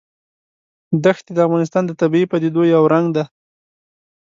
دښتې د افغانستان د طبیعي پدیدو یو رنګ دی.